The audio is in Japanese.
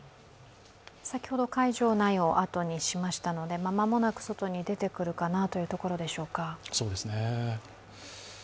先ほど会場内をあとにしましたので、間もなく外に出てくるかなというところでしょうか。